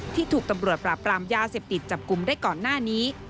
ถูกตำรวจปราบปรามยาเสพติดจับกลุ่มได้ก่อนหน้านี้